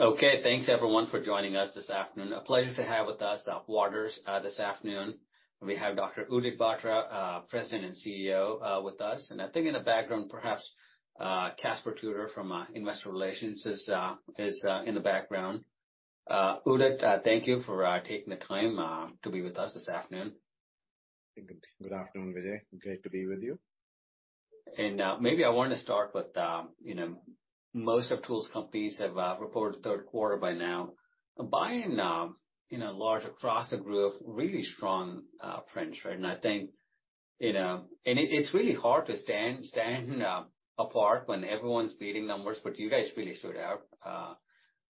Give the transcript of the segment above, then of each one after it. Okay, thanks everyone for joining us this afternoon. A pleasure to have with us at Waters this afternoon. We have Dr. Udit Batra, President and CEO, with us. And I think in the background, perhaps Caspar Tudor from Investor Relations is in the background. Udit, thank you for taking the time to be with us this afternoon. Good afternoon, Vijay. Great to be with you. Maybe I want to start with, you know, most tools companies have reported third quarter by now. By and large across the group, really strong growth. I think, you know, and it's really hard to stand apart when everyone's beating numbers, but you guys really stood out.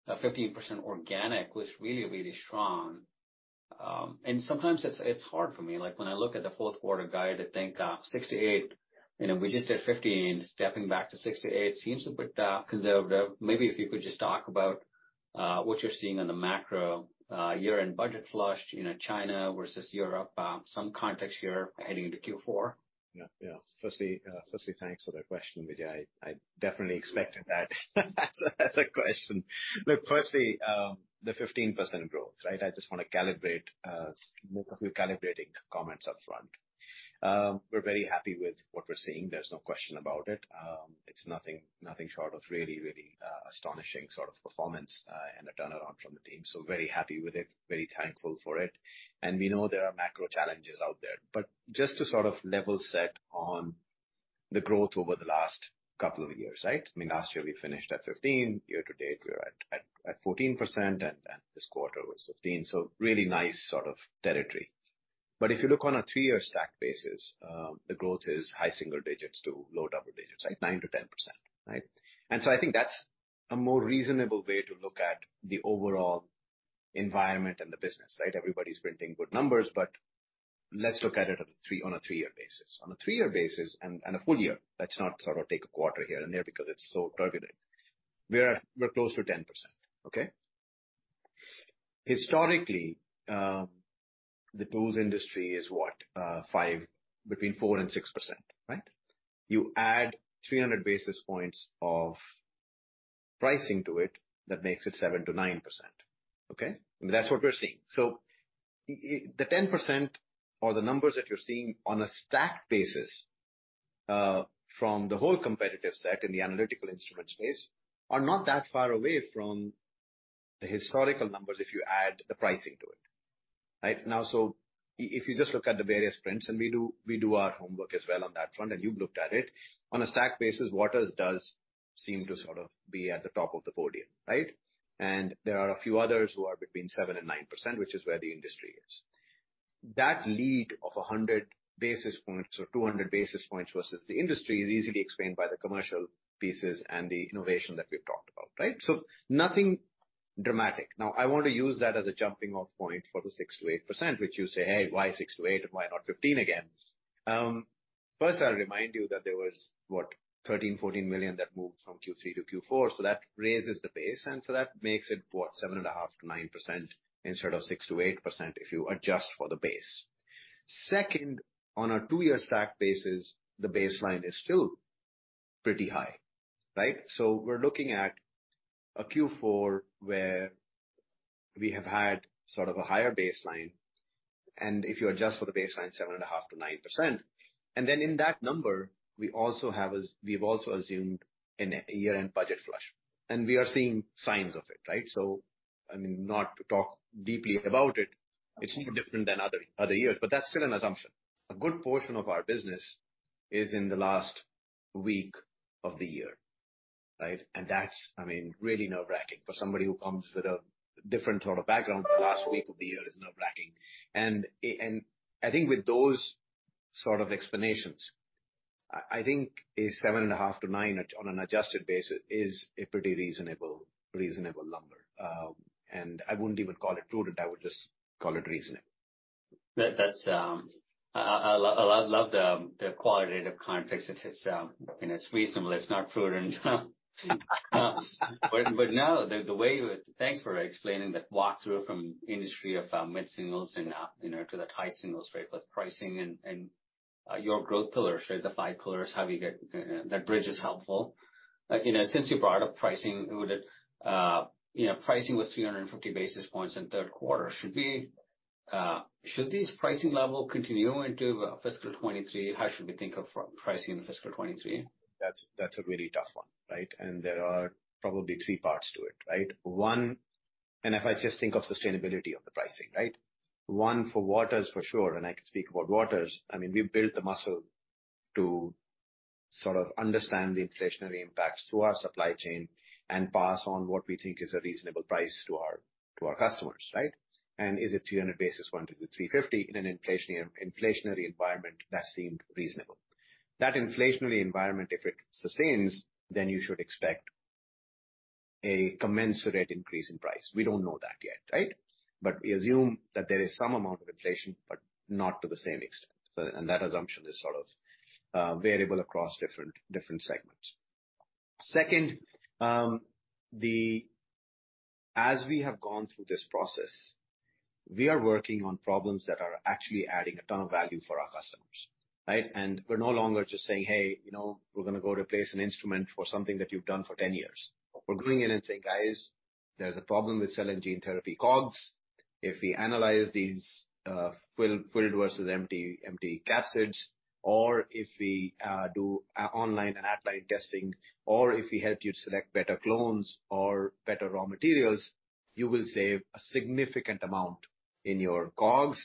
15% organic was really, really strong. Sometimes it's hard for me, like when I look at the fourth quarter guide. I think 6%-8%, you know, we just did 15% and stepping back to 6%-8% seems a bit conservative. Maybe if you could just talk about what you're seeing on the macro, year-end budget flush, you know, China versus Europe, some context here heading into Q4. Yeah, yeah. Firstly, thanks for the question, Vijay. I definitely expected that as a question. Look, firstly, the 15% growth, right? I just want to calibrate, make a few calibrating comments upfront. We're very happy with what we're seeing. There's no question about it. It's nothing short of really, really astonishing sort of performance and a turnaround from the team. So very happy with it, very thankful for it. And we know there are macro challenges out there, but just to sort of level set on the growth over the last couple of years, right? I mean, last year we finished at 15, year to date we were at 14%, and this quarter was 15. So really nice sort of territory. But if you look on a three-year stack basis, the growth is high single digits to low double digits, right? 9%-10%, right? I think that's a more reasonable way to look at the overall environment and the business, right? Everybody's printing good numbers, but let's look at it on a three-year basis. On a three-year basis and a full year, let's not sort of take a quarter here and there because it's so turbulent. We're close to 10%, okay? Historically, the tools industry is what, between 4% and 6%, right? You add 300 basis points of pricing to it, that makes it 7%-9%, okay? I mean, that's what we're seeing. So the 10% or the numbers that you're seeing on a stack basis from the whole competitive set in the analytical instrument space are not that far away from the historical numbers if you add the pricing to it, right? Now, so if you just look at the various prints and we do our homework as well on that front and you've looked at it, on a stack basis, Waters does seem to sort of be at the top of the podium, right? And there are a few others who are between 7%-9%, which is where the industry is. That lead of 100 basis points or 200 basis points versus the industry is easily explained by the commercial pieces and the innovation that we've talked about, right? So nothing dramatic. Now, I want to use that as a jumping-off point for the 6%-8%, which you say, hey, why 6%-8% and why not 15% again? First, I'll remind you that there was what, $13 million-$14 million that moved from Q3 to Q4. So that raises the base. And so that makes it what, 7.5%-9% instead of 6%-8% if you adjust for the base. Second, on a two-year stack basis, the baseline is still pretty high, right? So we're looking at a Q4 where we have had sort of a higher baseline. And if you adjust for the baseline, 7.5%-9%. And then in that number, we also have, we've also assumed a year-end budget flush. And we are seeing signs of it, right? So, I mean, not to talk deeply about it, it's no different than other years, but that's still an assumption. A good portion of our business is in the last week of the year, right? And that's, I mean, really nerve-wracking for somebody who comes with a different sort of background. The last week of the year is nerve-wracking. I think with those sort of explanations, I think a 7.5%-9% on an adjusted basis is a pretty reasonable number. And I wouldn't even call it prudent. I would just call it reasonable. I love the qualitative context. It's reasonable. It's not prudent. But no, the way, thanks for explaining that walkthrough from industry of mid-singles and to that high single straight with pricing and your growth pillars, right? The five pillars, how do you get that bridge is helpful. Since you brought up pricing, you know, pricing was 350 basis points in third quarter. Should these pricing levels continue into fiscal 2023? How should we think of pricing in fiscal 2023? That's a really tough one, right? And there are probably three parts to it, right? One, and if I just think of sustainability of the pricing, right? One for Waters for sure, and I can speak about Waters. I mean, we built the muscle to sort of understand the inflationary impacts to our supply chain and pass on what we think is a reasonable price to our customers, right? And is it 300-350 basis points in an inflationary environment that seemed reasonable? That inflationary environment, if it sustains, then you should expect a commensurate increase in price. We don't know that yet, right? But we assume that there is some amount of inflation, but not to the same extent. And that assumption is sort of variable across different segments. Second, as we have gone through this process, we are working on problems that are actually adding a ton of value for our customers, right? And we're no longer just saying, hey, you know, we're going to go replace an instrument for something that you've done for 10 years. We're going in and saying, guys, there's a problem with cell and gene therapy COGS. If we analyze these filled versus empty capsids, or if we do online and at-line testing, or if we help you to select better clones or better raw materials, you will save a significant amount in your COGS,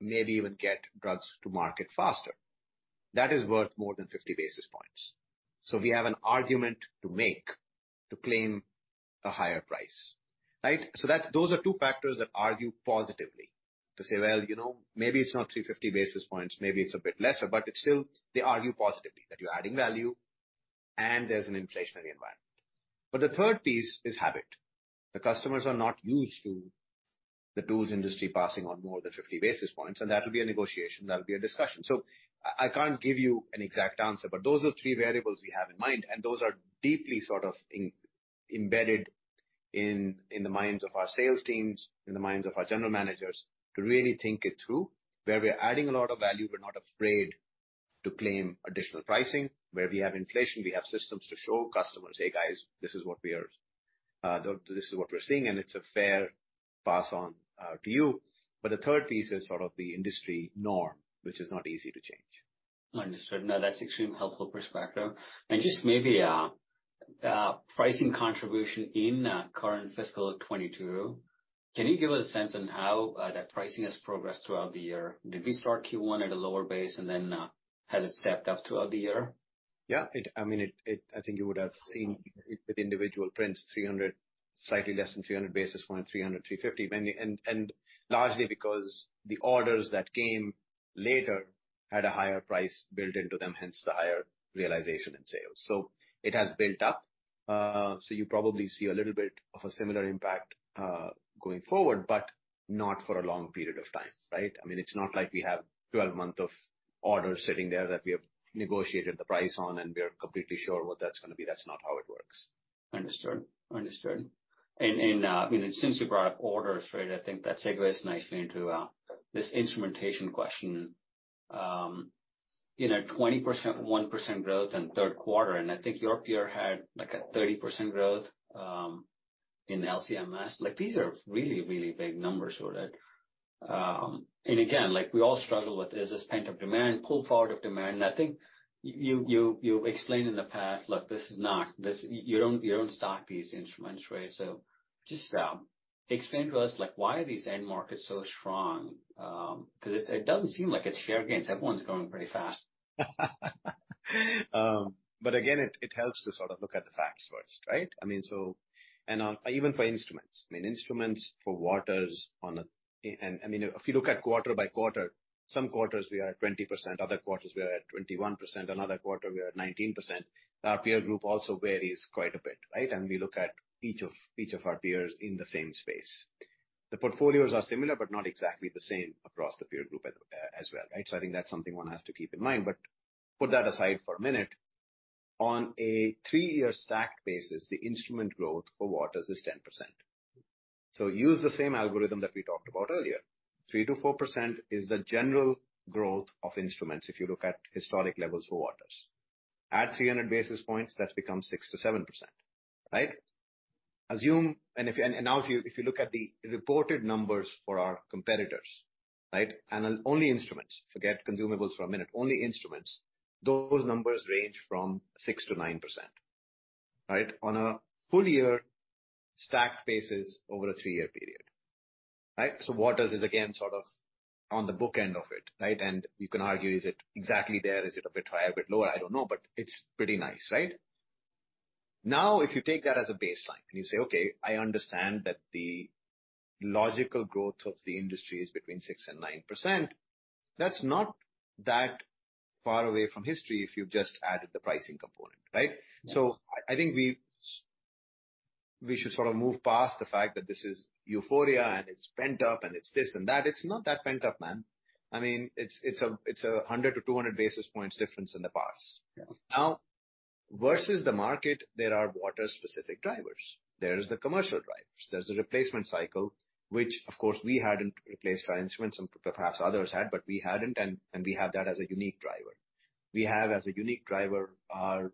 maybe even get drugs to market faster. That is worth more than 50 basis points. So we have an argument to make to claim a higher price, right? Those are two factors that argue positively to say, well, you know, maybe it's not 350 basis points, maybe it's a bit lesser, but it's still, they argue positively that you're adding value and there's an inflationary environment. But the third piece is habit. The customers are not used to the tools industry passing on more than 50 basis points, and that will be a negotiation. That will be a discussion. I can't give you an exact answer, but those are three variables we have in mind, and those are deeply sort of embedded in the minds of our sales teams, in the minds of our general managers to really think it through where we're adding a lot of value. We're not afraid to claim additional pricing where we have inflation. We have systems to show customers, hey guys, this is what we are, this is what we're seeing, and it's a fair pass on to you. But the third piece is sort of the industry norm, which is not easy to change. Understood. No, that's an extremely helpful perspective. And just maybe pricing contribution in current fiscal 2022, can you give us a sense on how that pricing has progressed throughout the year? Did we start Q1 at a lower base and then has it stepped up throughout the year? Yeah, I mean, I think you would have seen with individual prints, 300, slightly less than 300 basis points, 300, 350, and largely because the orders that came later had a higher price built into them, hence the higher realization in sales. So it has built up. So you probably see a little bit of a similar impact going forward, but not for a long period of time, right? I mean, it's not like we have 12 months of orders sitting there that we have negotiated the price on and we are completely sure what that's going to be. That's not how it works. Understood. And since you brought up orders, right, I think that segues nicely into this instrumentation question. You know, 20%, 1% growth in third quarter. And I think your peer had like a 30% growth in LC-MS. Like these are really, really big numbers, would it? And again, like we all struggle with, is this pent-up demand, pull forward of demand? And I think you've explained in the past, look, this is not, you don't stock these instruments, right? So just explain to us like why are these end markets so strong? Because it doesn't seem like it's share gains. Everyone's growing pretty fast. But again, it helps to sort of look at the facts first, right? I mean, so, and even for instruments, I mean, instruments for Waters on a, and I mean, if you look at quarter by quarter, some quarters we are at 20%, other quarters we are at 21%, another quarter we are at 19%. Our peer group also varies quite a bit, right? And we look at each of our peers in the same space. The portfolios are similar, but not exactly the same across the peer group as well, right? So I think that's something one has to keep in mind. But put that aside for a minute. On a three-year stacked basis, the instrument growth for Waters is 10%. So use the same algorithm that we talked about earlier. 3%-4% is the general growth of instruments if you look at historic levels for Waters. At 300 basis points, that becomes 6%-7%, right? Assume, and now if you look at the reported numbers for our competitors, right? and only instruments, forget consumables for a minute, only instruments, those numbers range from 6%-9%, right? On a full year stacked basis over a three-year period, right? so Waters is again sort of on the bookend of it, right? and you can argue, is it exactly there? Is it a bit higher, a bit lower? I don't know, but it's pretty nice, right? Now, if you take that as a baseline and you say, okay, I understand that the logical growth of the industry is between 6% and 9%, that's not that far away from history if you've just added the pricing component, right? I think we should sort of move past the fact that this is euphoria and it's pent up and it's this and that. It's not that pent up, man. I mean, it's a 100-200 basis points difference in the parts. Now, versus the market, there are Waters-specific drivers. There's the commercial drivers. There's a replacement cycle, which of course we hadn't replaced our instruments and perhaps others had, but we hadn't, and we have that as a unique driver. We have as a unique driver our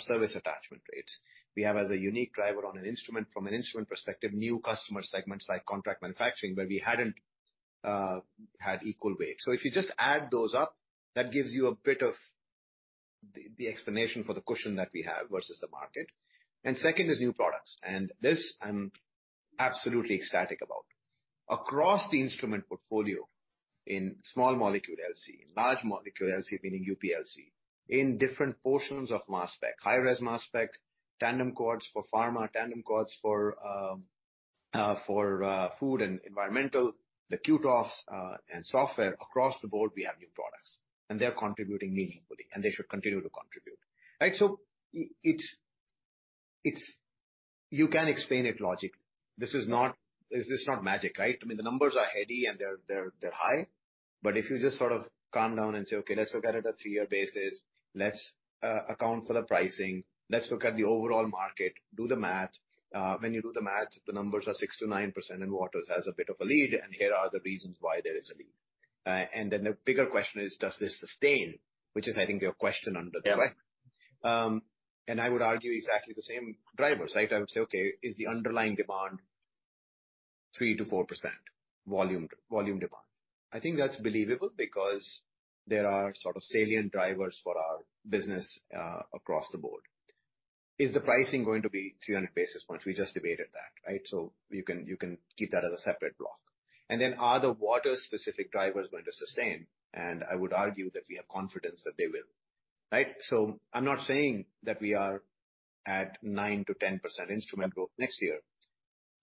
service attachment rates. We have as a unique driver on an instrument, from an instrument perspective, new customer segments like contract manufacturing where we hadn't had equal weight. So if you just add those up, that gives you a bit of the explanation for the cushion that we have versus the market. And second is new products. This I'm absolutely ecstatic about. Across the instrument portfolio in small molecule LC, large molecule LC, meaning UPLC, in different portions mass spec, high-res mass spec tandem quads for pharma, tandem quads for food and environmental, the QTofs and software across the board, we have new products and they're contributing meaningfully and they should continue to contribute, right? You can explain it logically. This is not, this is not magic, right? I mean, the numbers are heady and they're high, but if you just sort of calm down and say, okay, let's look at it at a three-year basis, let's account for the pricing, let's look at the overall market, do the math. When you do the math, the numbers are 6%-9% and Waters has a bit of a lead and here are the reasons why there is a lead. And then the bigger question is, does this sustain, which is I think your question under the question. And I would argue exactly the same drivers, right? I would say, okay, is the underlying demand 3%-4% volume demand? I think that's believable because there are sort of salient drivers for our business across the board. Is the pricing going to be 300 basis points? We just debated that, right? So you can keep that as a separate block. And then are the Waters-specific drivers going to sustain? And I would argue that we have confidence that they will, right? So I'm not saying that we are at 9%-10% instrument growth next year.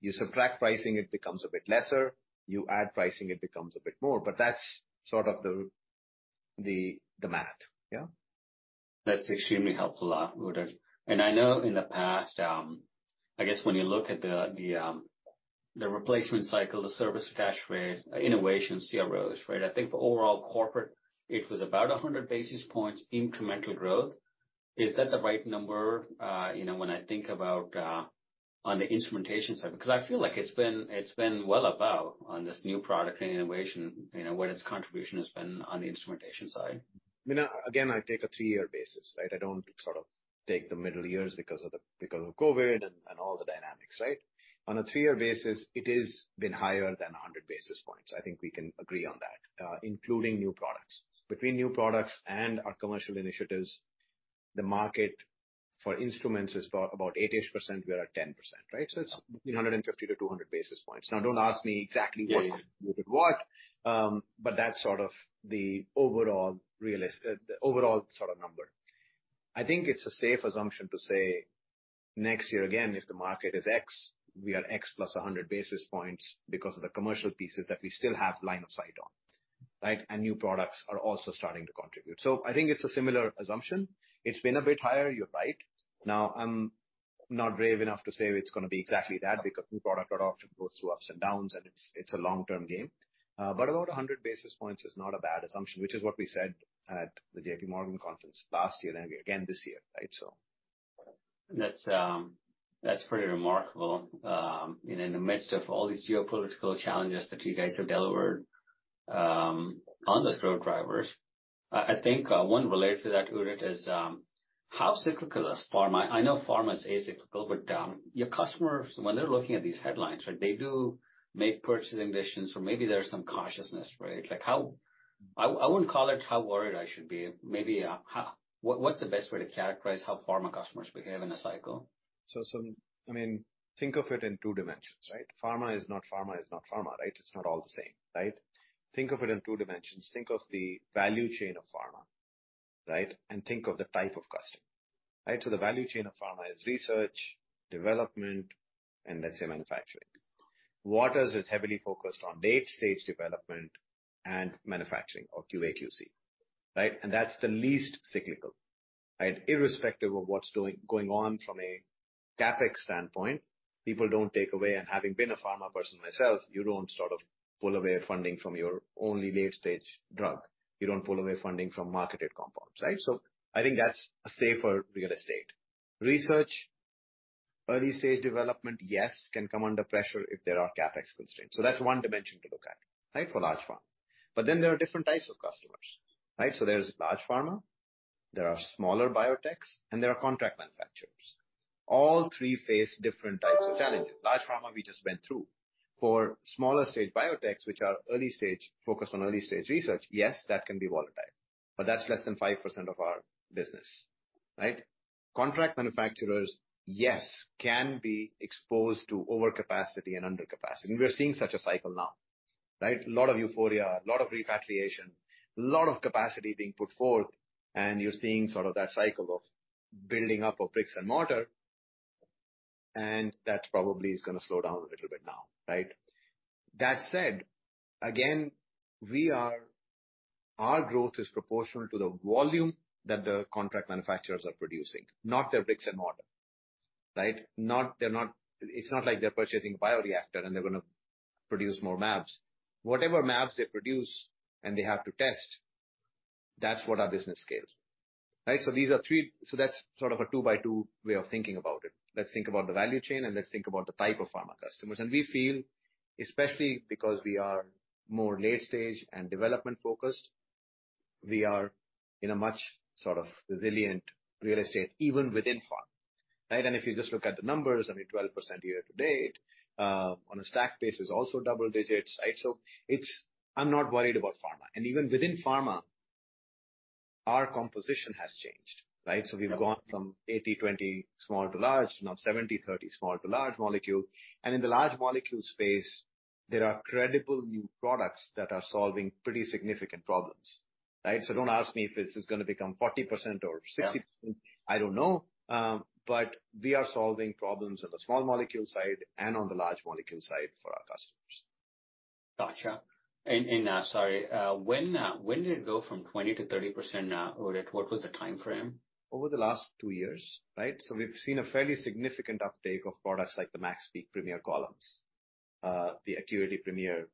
You subtract pricing, it becomes a bit lesser. You add pricing, it becomes a bit more, but that's sort of the math, yeah? That's extremely helpful, Udit, and I know in the past, I guess when you look at the replacement cycle, the service attachment rate, innovation, CROs, right? I think for overall corporate, it was about 100 basis points incremental growth. Is that the right number? You know, when I think about on the instrumentation side, because I feel like it's been well above on this new product and innovation, you know, what its contribution has been on the instrumentation side. I mean, again, I take a three-year basis, right? I don't sort of take the middle years because of COVID and all the dynamics, right? On a three-year basis, it has been higher than 100 basis points. I think we can agree on that, including new products. Between new products and our commercial initiatives, the market for instruments is about 8-ish%. We are at 10%, right? So it's between 150-200 basis points. Now, don't ask me exactly what contributed what, but that's sort of the overall sort of number. I think it's a safe assumption to say next year again, if the market is X, we are X plus 100 basis points because of the commercial pieces that we still have line of sight on, right? And new products are also starting to contribute. So I think it's a similar assumption. It's been a bit higher, you're right. Now, I'm not brave enough to say it's going to be exactly that because new product adoption goes through ups and downs and it's a long-term game. But about 100 basis points is not a bad assumption, which is what we said at the JPMorgan conference last year and again this year, right? So. That's pretty remarkable, and in the midst of all these geopolitical challenges that you guys have delivered on the core drivers, I think one related to that, Udit, is how cyclical is pharma? I know pharma is acyclical, but your customers, when they're looking at these headlines, right, they do make purchasing decisions or maybe there's some cautiousness, right? Like how, I wouldn't call it how worried I should be. Maybe what's the best way to characterize how pharma customers behave in a cycle? So I mean, think of it in two dimensions, right? Pharma is not pharma is not pharma, right? It's not all the same, right? Think of it in two dimensions. Think of the value chain of pharma, right? And think of the type of customer, right? So the value chain of pharma is research, development, and let's say manufacturing. Waters is heavily focused on late-stage development and manufacturing or QA/QC, right? And that's the least cyclical, right? Irrespective of what's going on from a CapEx standpoint, people don't take away. And having been a pharma person myself, you don't sort of pull away funding from your only late-stage drug. You don't pull away funding from marketed compounds, right? So I think that's a safer real estate. Research, early-stage development, yes, can come under pressure if there are CapEx constraints. So that's one dimension to look at, right, for large pharma. But then there are different types of customers, right? So there's large pharma, there are smaller biotechs, and there are contract manufacturers. All three face different types of challenges. Large pharma we just went through. For smaller-stage biotechs, which are early-stage, focused on early-stage research, yes, that can be volatile, but that's less than 5% of our business, right? Contract manufacturers, yes, can be exposed to overcapacity and undercapacity. And we're seeing such a cycle now, right? A lot of euphoria, a lot of repatriation, a lot of capacity being put forth, and you're seeing sort of that cycle of building up of bricks and mortar. And that probably is going to slow down a little bit now, right? That said, again, our growth is proportional to the volume that the contract manufacturers are producing, not their bricks and mortar, right? It's not like they're purchasing a bioreactor and they're going to produce more mAbs. Whatever mAbs they produce and they have to test, that's what our business scales, right? So these are three, so that's sort of a two-by-two way of thinking about it. Let's think about the value chain and let's think about the type of pharma customers. And we feel, especially because we are more late-stage and development-focused, we are in a much sort of resilient real estate, even within pharma, right? And if you just look at the numbers, I mean, 12% year to date on a stacked base is also double digits, right? So I'm not worried about pharma. And even within pharma, our composition has changed, right? So we've gone from 80-20 small to large, now 70-30 small to large molecule. In the large molecule space, there are credible new products that are solving pretty significant problems, right? So don't ask me if this is going to become 40% or 60%, I don't know, but we are solving problems on the small molecule side and on the large molecule side for our customers. Gotcha. And sorry, when did it go from 20% to 30%, Udit? What was the timeframe? Over the last two years, right? We've seen a fairly significant uptake of products MaxPeak Premier Columns, the ACQUITY Premier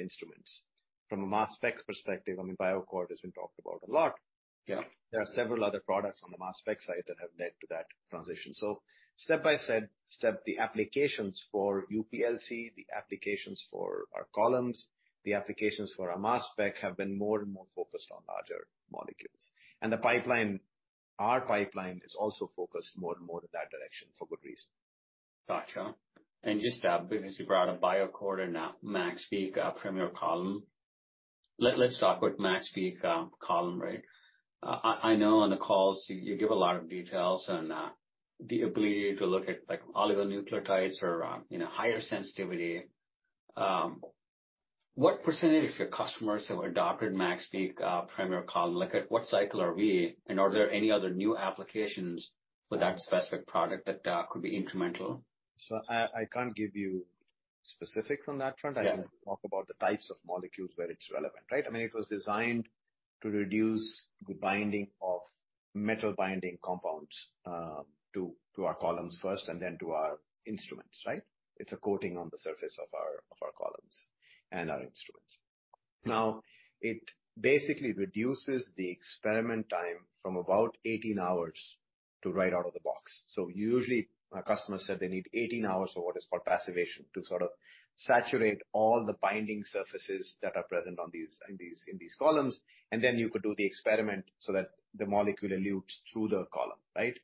instruments. From mass spec perspective, I mean, BioAccord has been talked about a lot. There are several other products on mass spec side that have led to that transition. Step by step, the applications for UPLC, the applications for our Columns, the applications for mass spec have been more and more focused on larger molecules. The pipeline, our pipeline is also focused more and more in that direction for good reason. Gotcha. And just because you brought up BioAccord and MaxPeak Premier Column, let's start with MaxPeak Column, right? I know on the calls you give a lot of details on the ability to look at oligonucleotides or higher sensitivity. What percentage of your customers have adopted MaxPeak Premier Column? What cycle are we, and are there any other new applications for that specific product that could be incremental? I can't give you specifics on that front. I can talk about the types of molecules where it's relevant, right? I mean, it was designed to reduce the binding of metal binding compounds to our Columns first and then to our instruments, right? It's a coating on the surface of our Columns and our instruments. Now, it basically reduces the experiment time from about 18 hours to right out of the box. Usually our customers said they need 18 hours or what is called passivation to sort of saturate all the binding surfaces that are present in these Columns, and then you could do the experiment so that the molecule elutes through the column, right?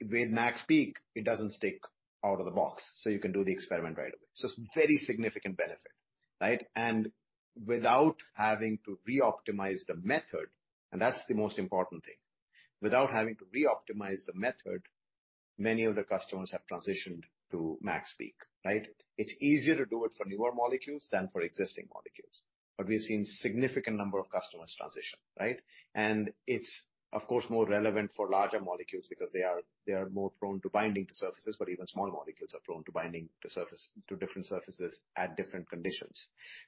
With MaxPeak, it doesn't stick out of the box, so you can do the experiment right away. It's a very significant benefit, right? And without having to reoptimize the method, and that's the most important thing, without having to reoptimize the method, many of the customers have transitioned to MaxPeak, right? It's easier to do it for newer molecules than for existing molecules, but we've seen a significant number of customers transition, right? And it's of course more relevant for larger molecules because they are more prone to binding to surfaces, but even small molecules are prone to binding to different surfaces at different conditions.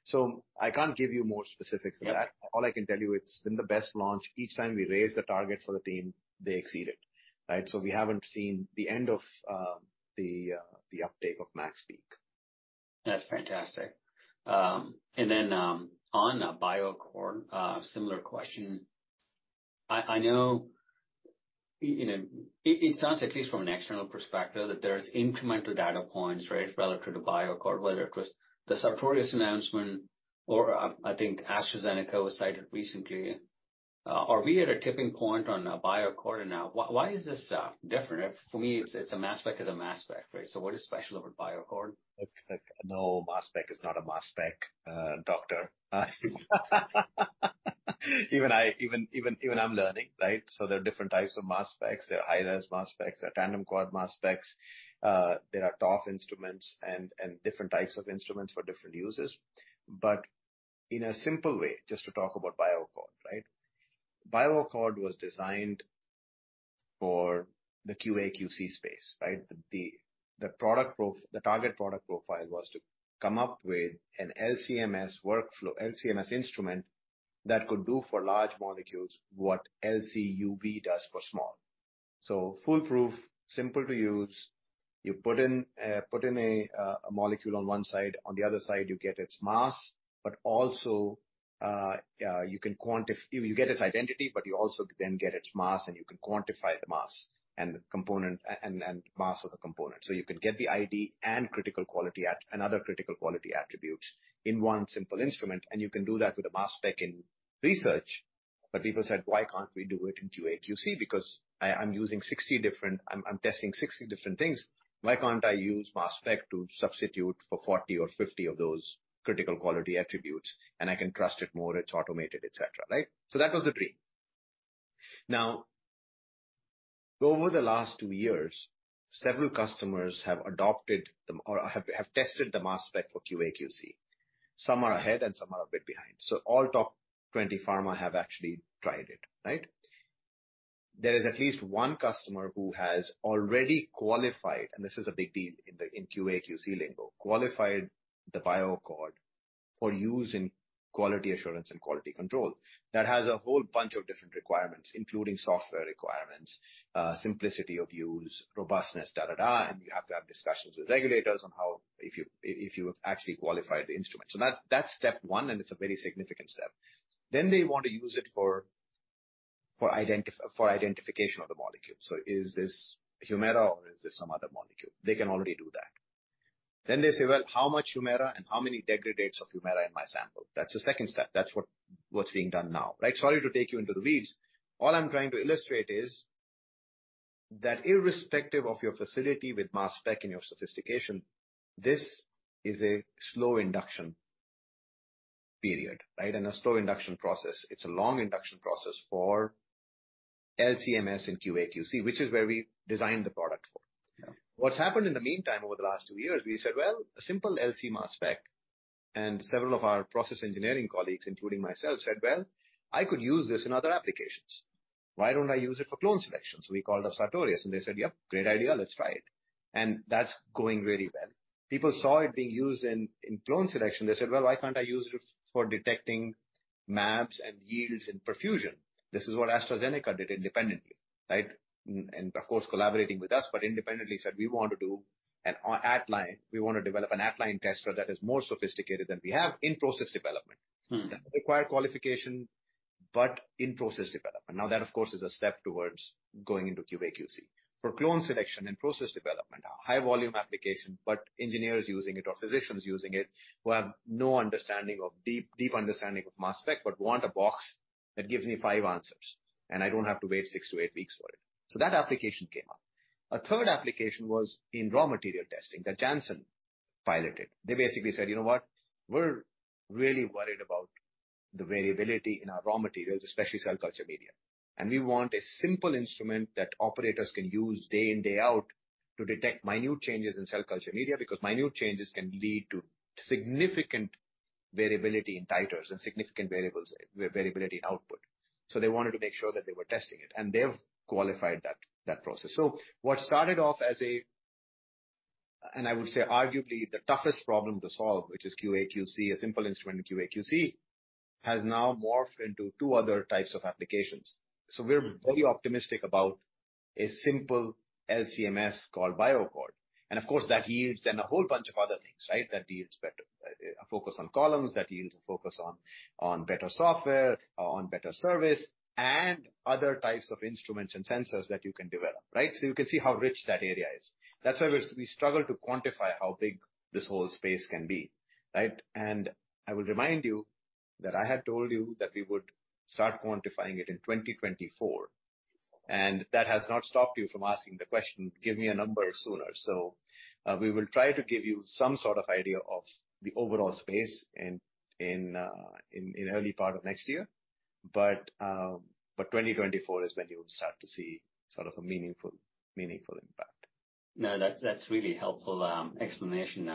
So I can't give you more specifics than that. All I can tell you, it's been the best launch. Each time we raise the target for the team, they exceed it, right? So we haven't seen the end of the uptake of MaxPeak. That's fantastic. And then on BioAccord, similar question. I know it sounds at least from an external perspective that there's incremental data points, right, relative to BioAccord, whether it was the Sartorius announcement or I think AstraZeneca was cited recently. Are we at a tipping point on BioAccord now? Why is this different? For me, it's mass spec is mass spec, right? So what is special about BioAccord? Mass spec is not mass spec, doctor. Even I'm learning, right? So there are different types mass specs. there are mass specs, there are tandem mass specs, there are TOF instruments and different types of instruments for different users. But in a simple way, just to talk about BioAccord, right? BioAccord was designed for the QA/QC space, right? The target product profile was to come up with an LC-MS Workflow, LC-MS instrument that could do for large molecules what LC-UV does for small. So foolproof, simple to use. You put in a molecule on one side, on the other side you get its mass, but also you get its identity, but you also then get its mass and you can quantify the mass and the component and mass of the component. So you can get the ID and another critical quality attribute in one simple instrument, and you can do that with mass spec in research. But people said, "Why can't we do it in QA/QC? Because I'm testing 60 different things. Why can't I mass spec to substitute for 40 or 50 of those critical quality attributes? And I can trust it more, it's automated," etc., right? So that was the dream. Now, over the last two years, several customers have adopted or have tested mass spec for QA/QC. Some are ahead and some are a bit behind. So all top 20 pharma have actually tried it, right? There is at least one customer who has already qualified, and this is a big deal in QA/QC lingo, qualified the BioAccord for use in quality assurance and quality control. That has a whole bunch of different requirements, including software requirements, simplicity of use, robustness, da da da, and you have to have discussions with regulators on how, if you have actually qualified the instrument. So that's step one, and it's a very significant step. Then they want to use it for identification of the molecule. So is this HUMIRA or is this some other molecule? They can already do that. Then they say, "Well, how much HUMIRA and how many degradates of HUMIRA in my sample?" That's the second step. That's what's being done now, right? Sorry to take you into the weeds. All I'm trying to illustrate is that irrespective of your facility mass spec and your sophistication, this is a slow induction period, right? And a slow induction process. It's a long induction process for LC-MS and QA/QC, which is where we designed the product for. What's happened in the meantime over the last two years, we said, "Well, a simple mass spec," and several of our process engineering colleagues, including myself, said, "Well, I could use this in other applications. Why don't I use it for clone selection?" So we called up Sartorius, and they said, "Yep, great idea. Let's try it." And that's going really well. People saw it being used in clone selection. They said, "Well, why can't I use it for detecting mAbs and yields in perfusion?" This is what AstraZeneca did independently, right? And of course, collaborating with us, but independently said, "We want to do an online. We want to develop an online tester that is more sophisticated than we have in process development. That requires qualification, but in process development." Now, that of course is a step towards going into QA/QC. For clone selection and process development, high volume application, but engineers using it or physicians using it who have no deep understanding mass spec, but want a box that gives me five answers, and I don't have to wait six to eight weeks for it, so that application came up. A third application was in raw material testing that Janssen piloted. They basically said, "You know what? We're really worried about the variability in our raw materials, especially cell culture media. And we want a simple instrument that operators can use day in, day out to detect minute changes in cell culture media because minute changes can lead to significant variability in titers and significant variability in output," so they wanted to make sure that they were testing it, and they've qualified that process. What started off as a, and I would say arguably the toughest problem to solve, which is QA/QC, a simple instrument in QA/QC, has now morphed into two other types of applications. We're very optimistic about a simple LC-MS called BioAccord. And of course, that yields then a whole bunch of other things, right? That yields a focus on Columns, that yields a focus on better software, on better service, and other types of instruments and sensors that you can develop, right? You can see how rich that area is. That's why we struggle to quantify how big this whole space can be, right? I will remind you that I had told you that we would start quantifying it in 2024, and that has not stopped you from asking the question, "Give me a number sooner." So we will try to give you some sort of idea of the overall space in the early part of next year, but 2024 is when you will start to see sort of a meaningful impact. No, that's really helpful explanation,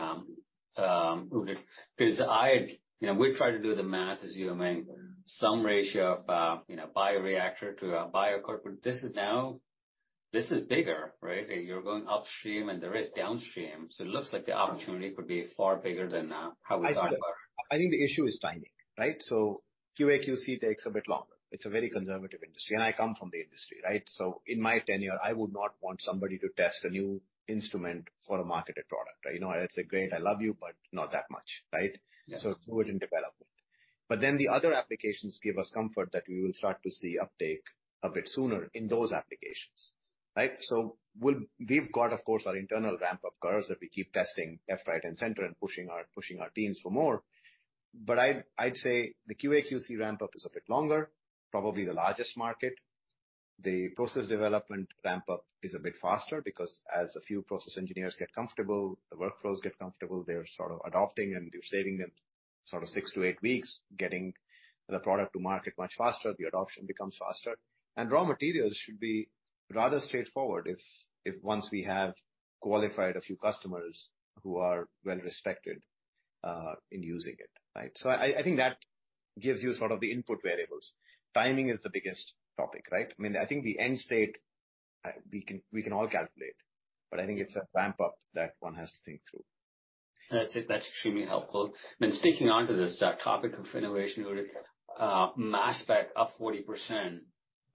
Udit, because we're trying to do the math, as you were saying, some ratio of bioreactor to BioAccord, but this is bigger, right? You're going upstream and there is downstream. It looks like the opportunity could be far bigger than how we thought about it. I think the issue is timing, right? So QA/QC takes a bit longer. It's a very conservative industry, and I come from the industry, right? So in my tenure, I would not want somebody to test a new instrument for a marketed product, right? It's a great, "I love you," but not that much, right? So it's newer in development. But then the other applications give us comfort that we will start to see uptake a bit sooner in those applications, right? So we've got, of course, our internal ramp-up curves that we keep testing left, right, and center and pushing our teams for more. But I'd say the QA/QC ramp-up is a bit longer, probably the largest market. The process development ramp-up is a bit faster because as a few process engineers get comfortable, the workflows get comfortable, they're sort of adopting, and you're saving them sort of six to eight weeks getting the product to market much faster. The adoption becomes faster, and raw materials should be rather straightforward if once we have qualified a few customers who are well-respected in using it, right, so I think that gives you sort of the input variables. Timing is the biggest topic, right? I mean, I think the end state, we can all calculate, but I think it's a ramp-up that one has to think through. That's extremely helpful. And then sticking on to this topic of innovation, mass spec up 40%.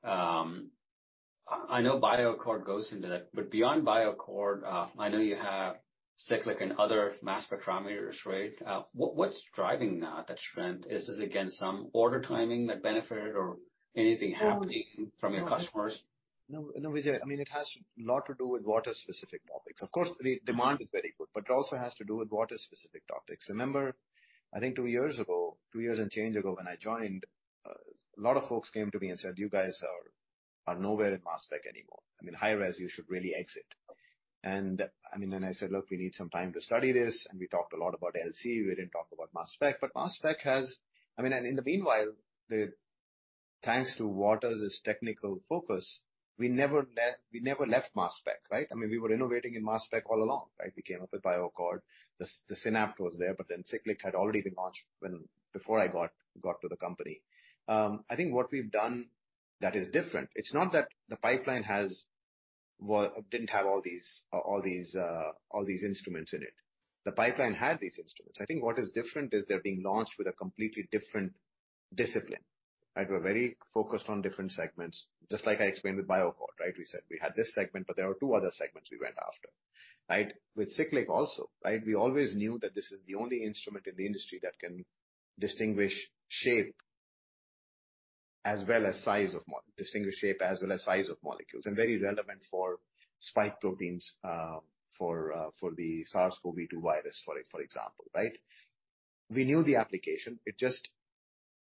I know BioAccord goes into that, but beyond BioAccord, I know you have Cyclic and mass spec parameters, right? What's driving that strength? Is this against some order timing that benefited or anything happening from your customers? No, Vijay, I mean, it has a lot to do with Waters-specific topics. Of course, the demand is very good, but it also has to do with Waters-specific topics. Remember, I think two years ago, two years and change ago when I joined, a lot of folks came to me and said, "You guys are nowhere mass spec anymore. I mean, high-res, you should really exit." And I mean, and I said, "Look, we need some time to study this." And we talked a lot about LC. We didn't talk mass spec has, I mean, and in the meanwhile, thanks to Waters' technical focus, we never mass spec, right? I mean, we were innovating mass spec all along, right? We came up with BioAccord. The SYNAPT was there, but then Cyclic had already been launched before I got to the company. I think what we've done that is different. It's not that the pipeline didn't have all these instruments in it. The pipeline had these instruments. I think what is different is they're being launched with a completely different discipline. We're very focused on different segments, just like I explained with BioAccord, right? We said we had this segment, but there were two other segments we went after, right? With Cyclic also, right? We always knew that this is the only instrument in the industry that can distinguish shape as well as size of molecules and very relevant for spike proteins for the SARS-CoV-2 virus, for example, right? We knew the application. It just,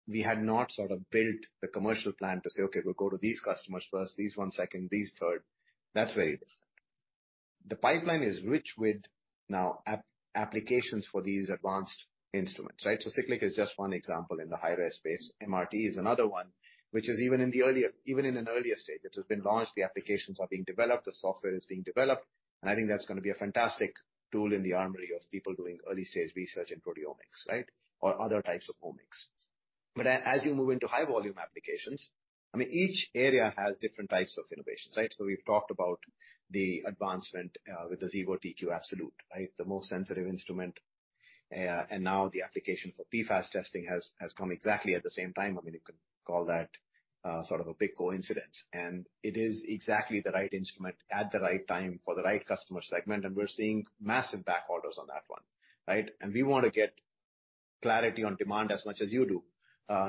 we had not sort of built the commercial plan to say, "Okay, we'll go to these customers first, these one second, these third." That's very different. The pipeline is rich with new applications for these advanced instruments, right? So Cyclic is just one example in the high-res space. MRT is another one, which is even in an earlier stage. It has been launched. The applications are being developed. The software is being developed. And I think that's going to be a fantastic tool in the armory of people doing early-stage research in proteomics, right? Or other types of omics. But as you move into high-volume applications, I mean, each area has different types of innovations, right? So we've talked about the advancement with the Xevo TQ Absolute, right? The most sensitive instrument. And now the application for PFAS testing has come exactly at the same time. I mean, you can call that sort of a big coincidence. And it is exactly the right instrument at the right time for the right customer segment. And we're seeing massive back orders on that one, right? And we want to get clarity on demand as much as you do.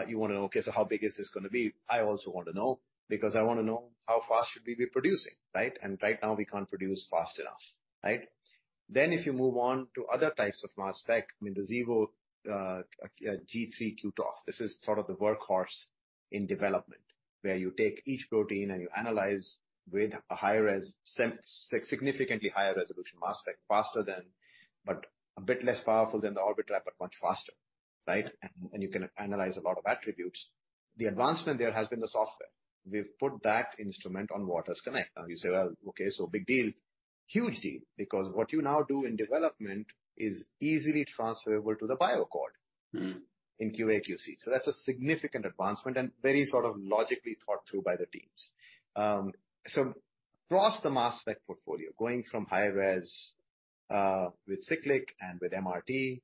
You want to know, "Okay, so how big is this going to be?" I also want to know because I want to know how fast should we be producing, right? And right now, we can't produce fast enough, right? Then if you move on to other types mass spec, i mean, the Xevo G3 QTof, this is sort of the workhorse in development where you take each protein and you analyze with a significantly higher mass spec, faster than, but a bit less powerful than the Orbitrap, but much faster, right? And you can analyze a lot of attributes. The advancement there has been the software. We've put that instrument on waters_connect. Now you say, "Well, okay, so big deal." Huge deal because what you now do in development is easily transferable to the BioAccord in QA/QC. That's a significant advancement and very sort of logically thought through by the teams. Across mass spec portfolio, going from high-res with Cyclic and with MRT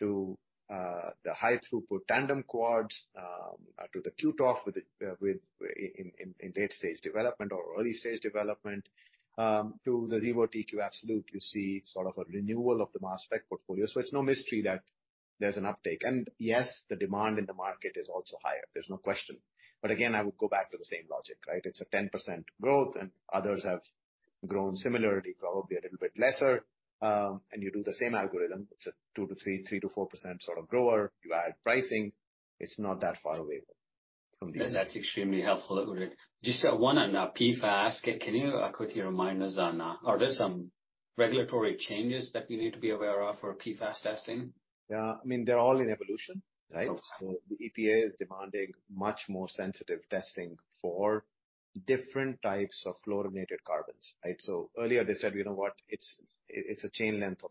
to the high-throughput tandem quads to the QToF in late-stage development or early-stage development to the Xevo TQ Absolute, you see sort of a renewal of mass spec portfolio. It's no mystery that there's an uptake. Yes, the demand in the market is also higher. There's no question. Again, I would go back to the same logic, right? It's a 10% growth, and others have grown similarly, probably a little bit lesser. You do the same algorithm. It's a 2%-3%, 3%-4% sort of grower. You add pricing. It's not that far away from these. That's extremely helpful, Udit. Just one on PFAS. Can you quickly remind us on, are there some regulatory changes that we need to be aware of for PFAS testing? Yeah. I mean, they're all in evolution, right? So the EPA is demanding much more sensitive testing for different types of fluorinated carbons, right? So earlier, they said, "You know what? It's a chain length of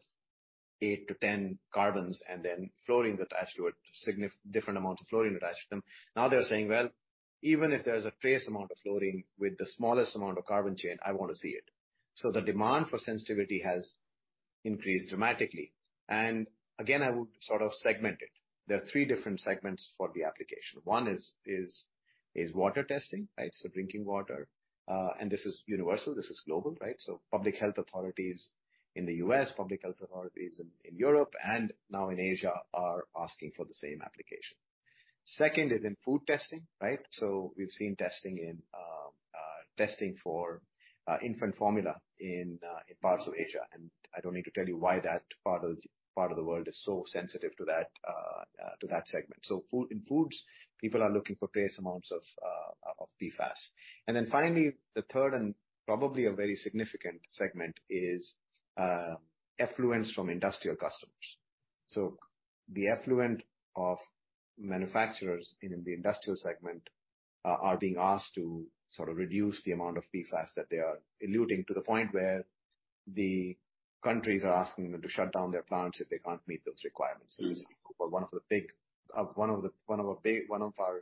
eight to 10 carbons," and then fluorine's attached to it, different amounts of fluorine attached to them. Now they're saying, "Well, even if there's a trace amount of fluorine with the smallest amount of carbon chain, I want to see it." So the demand for sensitivity has increased dramatically. And again, I would sort of segment it. There are three different segments for the application. One is water testing, right? So drinking water. And this is universal. This is global, right? So public health authorities in the U.S., public health authorities in Europe, and now in Asia are asking for the same application. Second is in food testing, right? We've seen testing for infant formula in parts of Asia. And I don't need to tell you why that part of the world is so sensitive to that segment. So in foods, people are looking for trace amounts of PFAS. And then finally, the third and probably a very significant segment is effluents from industrial customers. So the effluent of manufacturers in the industrial segment are being asked to sort of reduce the amount of PFAS that they are eluting to the point where the countries are asking them to shut down their plants if they can't meet those requirements. This is one of our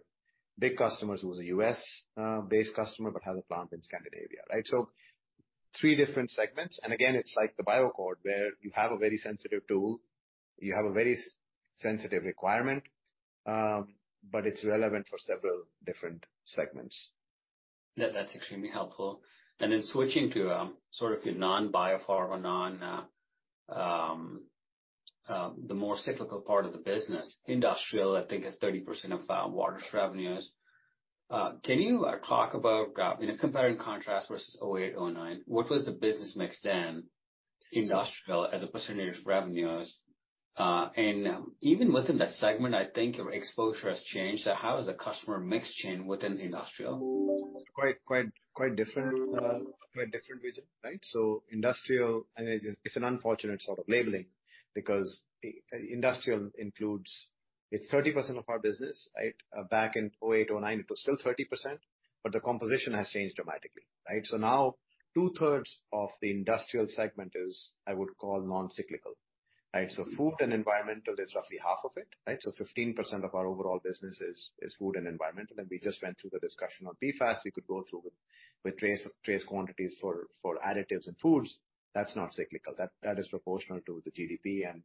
big customers who is a US-based customer but has a plant in Scandinavia, right? So three different segments. And again, it's like the BioAccord where you have a very sensitive tool. You have a very sensitive requirement, but it's relevant for several different segments. That's extremely helpful. And then switching to sort of your non-BioPharma, the more cyclical part of the business, industrial, I think has 30% of Waters revenues. Can you talk about, in a compare and contrast versus 2008, 2009, what was the business mix then? Industrial as a percentage of revenues. And even within that segment, I think your exposure has changed. So how has the customer mix changed within industrial? Quite different, Vijay, right? So industrial, I mean, it's an unfortunate sort of labeling because industrial includes, it's 30% of our business, right? Back in 2008, 2009, it was still 30%, but the composition has changed dramatically, right? So now two-thirds of the industrial segment is, I would call, non-cyclical, right? So food and environmental, it's roughly half of it, right? So 15% of our overall business is food and environmental. And we just went through the discussion on PFAS. We could go through with trace quantities for additives and foods. That's not cyclical. That is proportional to the GDP and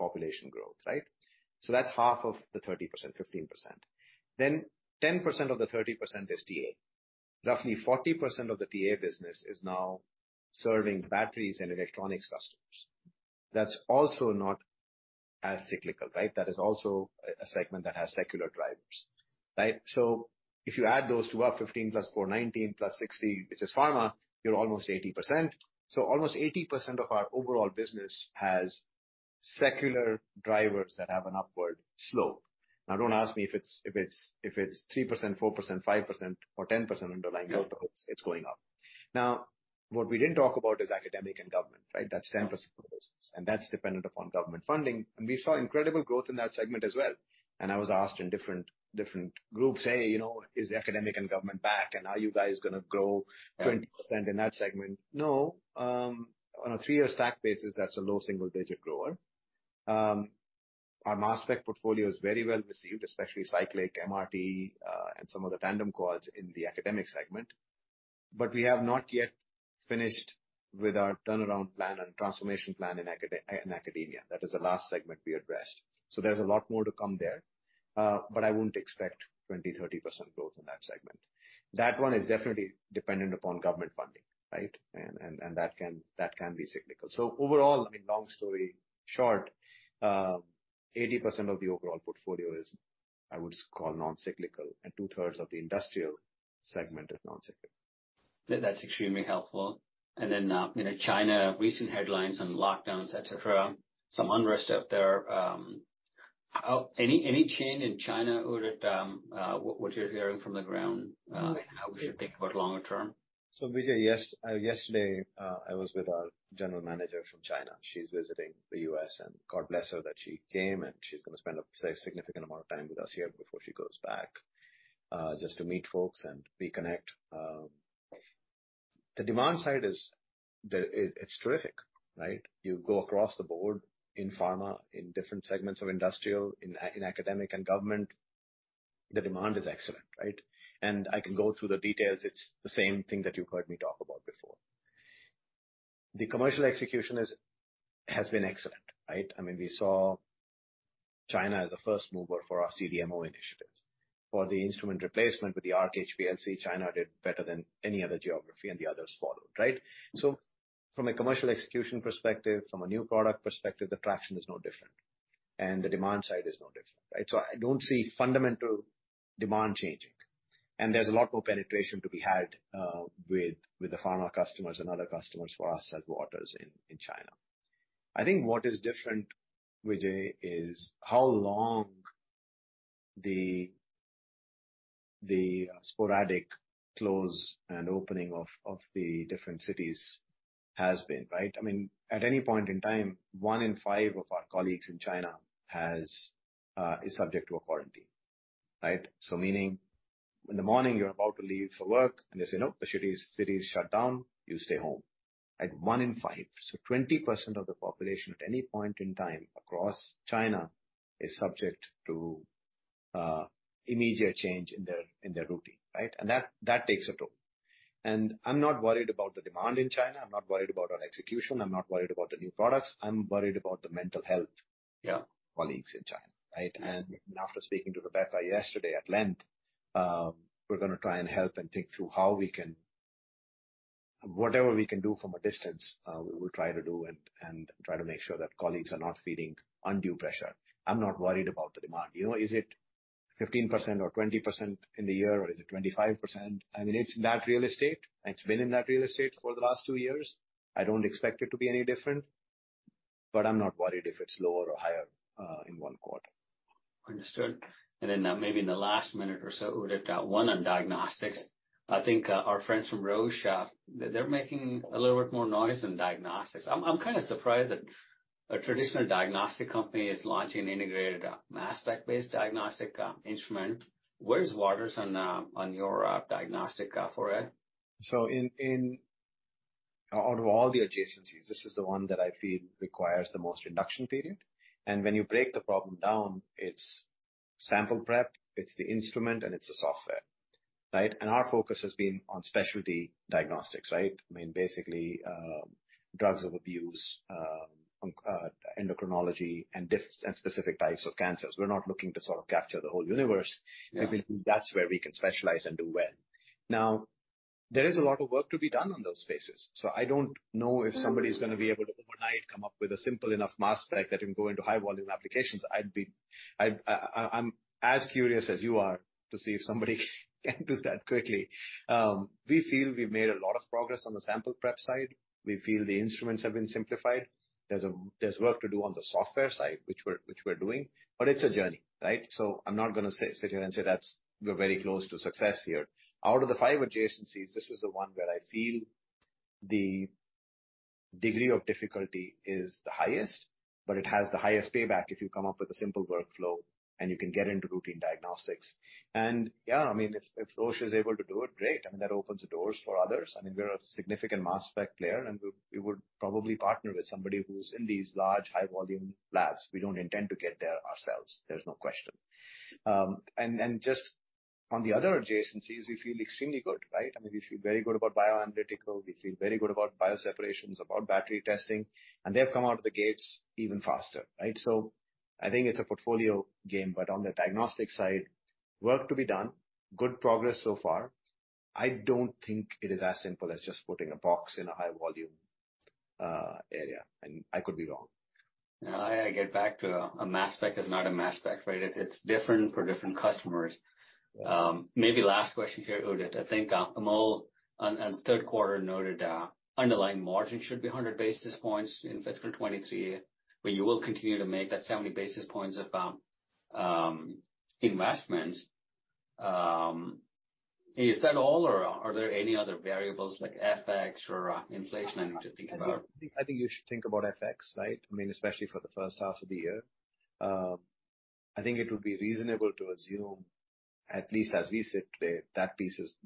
population growth, right? So that's half of the 30%, 15%. Then 10% of the 30% is TA. Roughly 40% of the TA business is now serving batteries and electronics customers. That's also not as cyclical, right? That is also a segment that has secular drivers, right? If you add those two up, 15% + 4%, 19% plus 60%, which is pharma, you're almost 80%. Almost 80% of our overall business has secular drivers that have an upward slope. Now, don't ask me if it's 3%, 4%, 5%, or 10% underlying growth; it's going up. Now, what we didn't talk about is academic and government, right? That's 10% of the business. And that's dependent upon government funding. And we saw incredible growth in that segment as well. And I was asked in different groups, "Hey, is academic and government back? And are you guys going to grow 20% in that segment?" No. On a three-year stack basis, that's a low single-digit grower. Mass spec portfolio is very well received, especially Cyclic, MRT, and some of the tandem quads in the academic segment. We have not yet finished with our turnaround plan and transformation plan in academia. That is the last segment we addressed. There's a lot more to come there, but I wouldn't expect 20%-30% growth in that segment. That one is definitely dependent upon government funding, right? And that can be cyclical. Overall, I mean, long story short, 80% of the overall portfolio is, I would call, non-cyclical, and two-thirds of the industrial segment is non-cyclical. That's extremely helpful. And then China, recent headlines on lockdowns, etc., some unrest out there. Any change in China, Udit, what you're hearing from the ground, how we should think about longer term? So Vijay, yesterday, I was with our general manager from China. She's visiting the U.S., and God bless her that she came, and she's going to spend a significant amount of time with us here before she goes back just to meet folks and reconnect. The demand side is, it's terrific, right? You go across the board in pharma, in different segments of industrial, in academic and government, the demand is excellent, right? And I can go through the details. It's the same thing that you've heard me talk about before. The commercial execution has been excellent, right? I mean, we saw China as a first mover for our CDMO initiative. For the instrument replacement with the Arc HPLC, China did better than any other geography, and the others followed, right? So from a commercial execution perspective, from a new product perspective, the traction is no different. And the demand side is no different, right? So I don't see fundamental demand changing. And there's a lot more penetration to be had with the pharma customers and other customers for our Waters in China. I think what is different, Vijay, is how long the sporadic closing and opening of the different cities has been, right? I mean, at any point in time, one in five of our colleagues in China is subject to a quarantine, right? So meaning in the morning, you're about to leave for work, and they say, "Nope, the city is shut down. You stay home." One in five. So 20% of the population at any point in time across China is subject to immediate change in their routine, right? And that takes a toll. And I'm not worried about the demand in China. I'm not worried about our execution. I'm not worried about the new products. I'm worried about the mental health of colleagues in China, right, and after speaking to Rebecca yesterday at length, we're going to try and help and think through how we can, whatever we can do from a distance, we will try to do and try to make sure that colleagues are not feeling undue pressure. I'm not worried about the demand. Is it 15% or 20% in the year, or is it 25%? I mean, it's in that real estate. It's been in that real estate for the last two years. I don't expect it to be any different, but I'm not worried if it's lower or higher in one quarter. Understood. And then maybe in the last minute or so, Udit, one on diagnostics. I think our friends from Roche, they're making a little bit more noise in diagnostics. I'm kind of surprised that a traditional diagnostic company is launching an mass spec-based diagnostic instrument. Where's Waters on your diagnostic for it? So out of all the adjacencies, this is the one that I feel requires the most induction period. And when you break the problem down, it's sample prep, it's the instrument, and it's the software, right? And our focus has been on specialty diagnostics, right? I mean, basically, drugs of abuse, endocrinology, and specific types of cancers. We're not looking to sort of capture the whole universe. We believe that's where we can specialize and do well. Now, there is a lot of work to be done on those spaces. So I don't know if somebody is going to be able to overnight come up with a simple mass spec that can go into high-volume applications. I'm as curious as you are to see if somebody can do that quickly. We feel we've made a lot of progress on the sample prep side. We feel the instruments have been simplified. There's work to do on the software side, which we're doing, but it's a journey, right? So I'm not going to sit here and say we're very close to success here. Out of the five adjacencies, this is the one where I feel the degree of difficulty is the highest, but it has the highest payback if you come up with a simple workflow and you can get into routine diagnostics. And yeah, I mean, if Roche is able to do it, great. I mean, that opens the doors for others. I mean, we're a mass spec player, and we would probably partner with somebody who's in these large high-volume labs. We don't intend to get there ourselves. There's no question. And just on the other adjacencies, we feel extremely good, right? I mean, we feel very good about bioanalytical. We feel very good about bioseparations, about battery testing. And they have come out of the gates even faster, right? So I think it's a portfolio game, but on the diagnostic side, work to be done, good progress so far. I don't think it is as simple as just putting a box in a high-volume area. And I could be wrong. I get back to mass spec is not mass spec, right? It's different for different customers. Maybe last question here, Udit. I think Amol on the third quarter noted underlying margin should be 100 basis points in fiscal 2023, where you will continue to make that 70 basis points of investments. Is that all, or are there any other variables like FX or inflation I need to think about? I think you should think about FX, right? I mean, especially for the first half of the year. I think it would be reasonable to assume, at least as we sit today,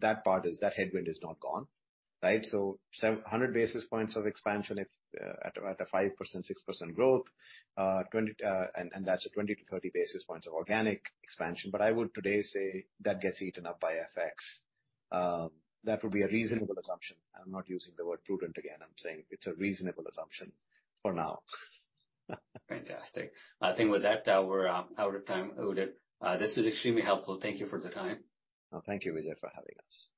that part is that headwind is not gone, right? So 100 basis points of expansion at a 5%-6% growth, and that's a 20-30 basis points of organic expansion. But I would today say that gets eaten up by FX. That would be a reasonable assumption. I'm not using the word prudent again. I'm saying it's a reasonable assumption for now. Fantastic. I think with that, we're out of time, Udit. This is extremely helpful. Thank you for the time. Thank you, Vijay, for having us. Bye.